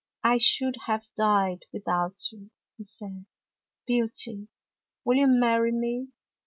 " I should have died without you," he said. " Beauty, will you marry me?